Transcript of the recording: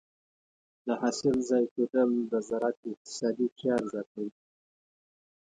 د حاصل ضایع کېدل د زراعت اقتصادي فشار زیاتوي.